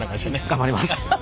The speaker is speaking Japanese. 頑張ります！